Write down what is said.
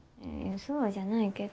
そうじゃないけど。